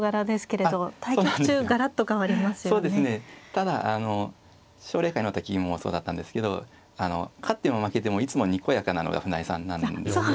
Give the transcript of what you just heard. ただあの奨励会の時もそうだったんですけど勝っても負けてもいつもにこやかなのが船江さんなんですよね。